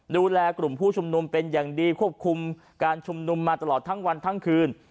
ดูแลกลุ่มผู้ชุมนุมเป็นอย่างดีควบคุมการชุมนุมมาตลอดทั้งวันทั้งคืน